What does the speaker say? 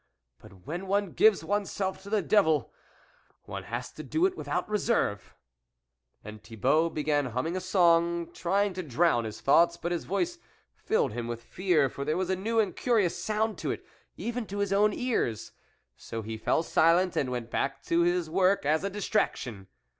but when one gives oneself to the devil, one has to do it without reserve." And Thibault began humming a song, trying to drown his thoughts, but his voice filled him with fear, for there was a new and curious sound in it, even to his own ears. So he fell silent, and went back to his work as a distraction.